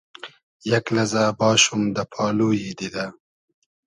یئگ لئزۂ باشوم دۂ پالویی دیدۂ